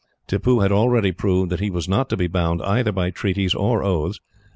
Tippoo had already proved that he was not to be bound either by treaties or oaths.